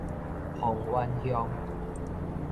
芳苑鄉